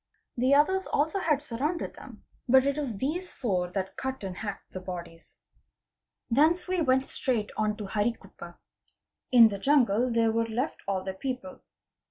The others also had surrounded them, but it was these four that cut and hacked the bodies. 'Thence 3 DACOITY 763 we went straight on to Harikuppa. In the jungle there were left all the people.